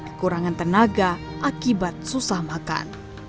kekurangan tenaga akibat susah makan